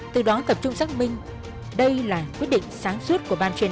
từ đó tập trung xác minh đây là quyết định sáng suốt của ban chuyên án